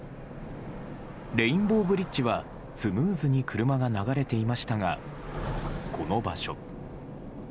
レインボーブリッジは、スムーズに車が流れていましたが、この場所。